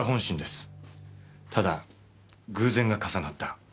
ただ偶然が重なった。